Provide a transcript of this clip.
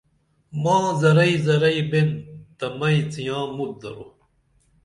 ماں زرئی زرئی بین تہ مئی څیاں مُت درو